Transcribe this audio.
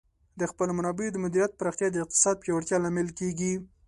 د خپلو منابعو د مدیریت پراختیا د اقتصاد پیاوړتیا لامل کیږي.